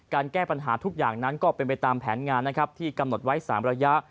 แก้ปัญหาทุกอย่างนั้นก็เป็นไปตามแผนงานนะครับที่กำหนดไว้๓ระยะ